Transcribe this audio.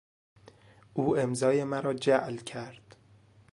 او امضای مرا جعل کرد.